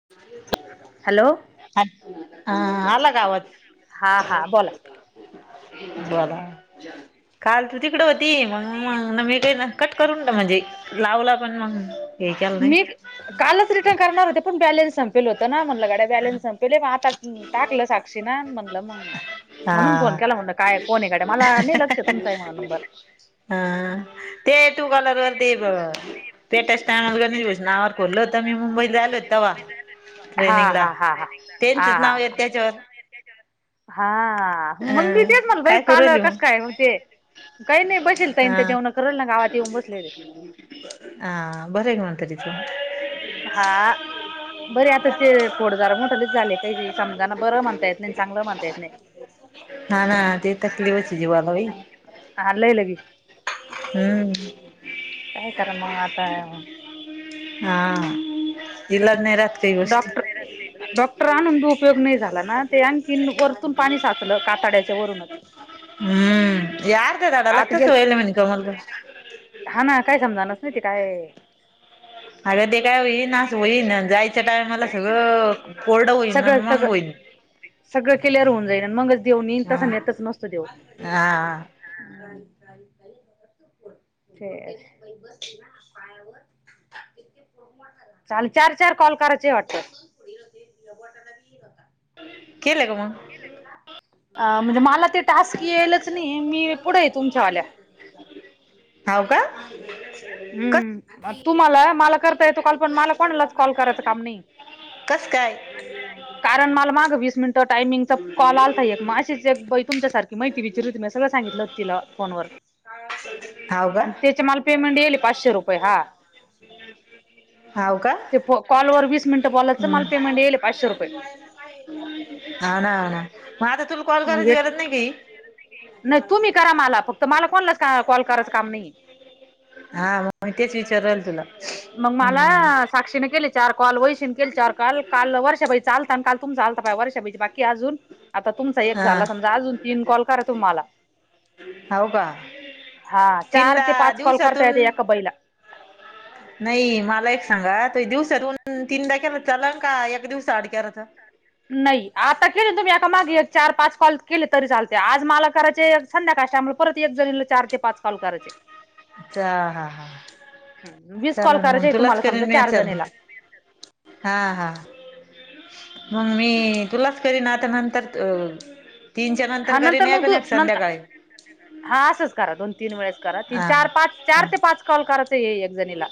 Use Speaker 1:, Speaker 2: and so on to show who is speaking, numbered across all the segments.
Speaker 1: ह [unintelligible]
Speaker 2: हॅलो!
Speaker 1: हा, आला का आवाज?
Speaker 2: हा हा बोला
Speaker 1: बोला. काल तू तिकडं होती, मग मग मी काही कट करून म्हणजे लावला पण मग. हे केलं नाही
Speaker 2: मी कालच रिटर्न करणार होते, पण बॅलेन्स संपला. संपेल होत ना, म्हणलं बॅलन्स संपेले म आता टाकलं साक्षीन, म्हणलं मग
Speaker 1: हा
Speaker 2: म्हणून फोन केला, म्हंटलं काय कोण हाय गड्या, मला नाही लक्षात तुमचाय म्हणून नंबर.
Speaker 1: हं ते तू कलर वरती बघ [inaudible] पेटस्टामल नाववर खोललं होतं मी, मुंबईत जायेलं होते तेव्हा.
Speaker 2: हा
Speaker 1: ट्रेनिंग ला,
Speaker 2: हा हा हा हा
Speaker 1: त्याचेच
Speaker 2: हा
Speaker 1: नाव ये
Speaker 2: हा
Speaker 1: त्याच्यावर.
Speaker 2: हा, मगं मी
Speaker 1: अ
Speaker 2: तेच मला बाई
Speaker 1: काय करू
Speaker 2: काल अ
Speaker 1: राहिली मग
Speaker 2: कसं काय म्हणजे काहींनाय बसेलं ये, ताई
Speaker 1: हा
Speaker 2: ते जेवणं करेलं ना गावात येऊन बसले ते.
Speaker 1: हा बरं ये म्हतारी
Speaker 2: हा बरे आता, ते फोड जरा मोठलेचं झाले. काही समजाना बरं म्हणता येत नाही, अन् चांगलं म्हणता येत नाही.
Speaker 1: हा ना ते तकलीफचं ये जीवाला बाई,
Speaker 2: हा लय लगी
Speaker 1: हम्म.
Speaker 2: काय करा म आता
Speaker 1: हा इलाज नाही राहात काही गोष्टी
Speaker 2: डॉक्टर डॉक्टर आणून बी उपयोग नाही झाला ना, ते आणखी वरतून पाणी साचलं काताड्याच्या वरूनचं.
Speaker 1: हम्म यार त्या झाडालाच
Speaker 2: आत
Speaker 1: तसं व्हायलय
Speaker 2: गेलत
Speaker 1: म्हणे कमल ग
Speaker 2: [unintelligible] हा ना काय समजाणाचं नाही ते काय?
Speaker 1: [inaudible] अगदी काय होई ना असं होईन, जायच्या टायमला सगळं कोरडं होईन
Speaker 2: सगळं
Speaker 1: मंग
Speaker 2: सगळं
Speaker 1: होईन.
Speaker 2: सगळं क्लियर होन जाईन, आणि मगच देव नेईन तसा
Speaker 1: हा
Speaker 2: नेतच नसतो देव.
Speaker 1: हा.
Speaker 2: [unintelligible] पायावर. चालं, चार -चार कॉल करायचे वाटतं?
Speaker 1: केलं का मग
Speaker 2: [unintelligible] अ म्हणजे मला ते टास्क येलचं नाही, मी पुढे तुमच्या वाल्या.
Speaker 1: [inaudible] हाव का
Speaker 2: [unintelligible]
Speaker 1: कस
Speaker 2: हम्म, म तुम्हाला मला करता येतो कॉल पण मला कोणलाच कॉल करायचं काम नाही
Speaker 1: कस काय
Speaker 2: ये. कारण मला मागं वीस मिनिट टायमिंगचा कॉल आलाता एक. म अशीच एक बाई तुमच्यासारखी माहिती विचारीत होती, म्या सगळं सांगितलं होतं तिला फोनवर.
Speaker 1: हाव का
Speaker 2: आणि त्याच्या मला पेमेंट येलं ये पाचशे रुपये हा.
Speaker 1: हाव का
Speaker 2: ते कॉल वर वीस मिनिट बोलायचं,
Speaker 1: हम्म
Speaker 2: मला पेमेंट येलं ये पाचशे रुपये.
Speaker 1: हाव ना हाव ना मग आता तुला कॉल
Speaker 2: मग
Speaker 1: करायची
Speaker 2: एक
Speaker 1: गरज नाही का ही
Speaker 2: नाही तुम्ही करा मला फक्त मला कोणलाच कॉल करायच काम नाही ये.
Speaker 1: हा म तेचं विचारु राहिले तुला,
Speaker 2: मग मला
Speaker 1: हम्,
Speaker 2: साक्षीने केली चार कॉल, वैशीनं केली चार कॉल. काल वर्षा बाई चा आलता काल तुमचा आलता, वर्षा बाई चा बाकी अजून. आता तुमचा एक
Speaker 1: हा
Speaker 2: झाला समजा, अजून तीन कॉल करा तुम्ही माला.
Speaker 1: हाव का?
Speaker 2: हा चार
Speaker 1: तीनदा
Speaker 2: ते पाच कॉल करता
Speaker 1: दिवसातून
Speaker 2: येता एका बाई ला.
Speaker 1: नाही मला एक सांगा ते दिवसातून तीनदा केला चालंल का, एक दिवसा आड केला तर?
Speaker 2: नाही आता केले तुम्ही एका मागे एक चार पाच कॉल केले तरी चालते, आज मला करायचे. संद्याकाळच्या आमी परत एक जणीला चार ते पाच कॉल करायचे.
Speaker 1: अच्छा, हा हा.
Speaker 2: वीस कॉल
Speaker 1: चालेलं मग
Speaker 2: करायचे
Speaker 1: तुलाच
Speaker 2: तुम्हाला समजा
Speaker 1: करीन मी
Speaker 2: चार
Speaker 1: चालं,
Speaker 2: जणीला
Speaker 1: हा-हा. मी तुलाच करीन आता नंतर त तीनच्या नंतर
Speaker 2: हा
Speaker 1: करेन एक,
Speaker 2: मग
Speaker 1: अन्
Speaker 2: तू
Speaker 1: एक
Speaker 2: नंतर
Speaker 1: संध्याकाळी.
Speaker 2: हा असंच करा दोन -तीन वेळेस करा, तीन,
Speaker 1: हा
Speaker 2: चार, पाच
Speaker 1: हा
Speaker 2: चार ते पाच कॉल करायचं एक जणीला.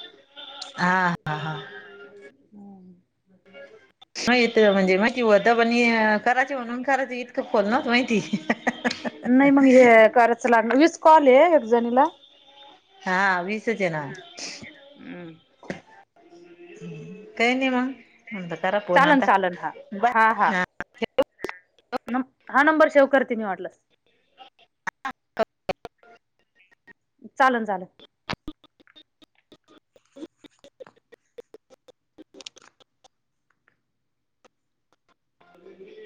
Speaker 1: हां.
Speaker 2: भरण
Speaker 1: माहित म्हणजे माहिती होत पण ये करायची म्हणून करायची इतकं खोल नायती माहिती. [unintelligible]
Speaker 2: नाही मग हे काराचं लागणार वीस कॉल हे एक जणीला
Speaker 1: हां वीसच येणार.
Speaker 2: अं
Speaker 1: काय नयी मा. नंतर करा फोन
Speaker 2: चालनं
Speaker 1: आता
Speaker 2: चालनं हां हां
Speaker 1: बाय
Speaker 2: हां.
Speaker 1: हा
Speaker 2: नंम हां नंबर शेव करती मी वाटलंस. चालन झाल.
Speaker 1: [inaudible]